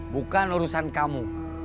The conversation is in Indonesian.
bukan urusan kamu